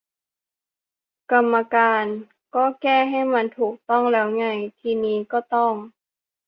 กรรมการ : ก็แก้ให้มันถูกต้องแล้วไง ทีนี้ก็ต้อง